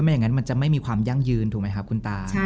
อย่างนั้นมันจะไม่มีความยั่งยืนถูกไหมครับคุณตา